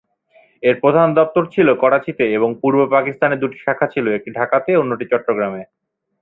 এর প্রধান দপ্তর ছিল করাচিতে এবং পূর্ব পাকিস্তানে দু’টি শাখা ছিল, একটি ঢাকাতে অন্যটি চট্টগ্রামে।